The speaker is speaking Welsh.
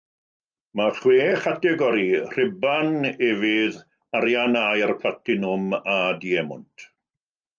Mae chwe chategori - Rhuban, Efydd, Arian, Aur, Platinwm a Diemwnt.